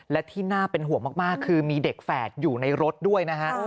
และที่น่าเป็นห่วงมากคือมีเด็กแฝดอยู่ในรถด้วยนะฮะ